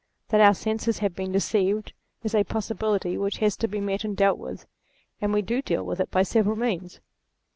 That our senses have been deceived, is a possibility which has to be met and dealt with, and we do deal with it by several means.